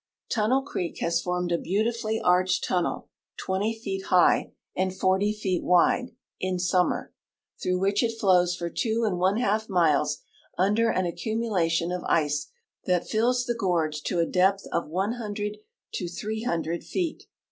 Tunnel creek has formed a beautifully arched tunnel 20 feet high and 40 feet wide (in summer), through which it flows for two and one half miles under an accumulation of ice that fills the gorge to a depth of 100 to 300 feet.